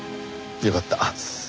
よかった。